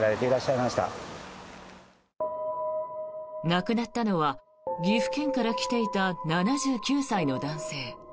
亡くなったのは岐阜県から来ていた７９歳の男性。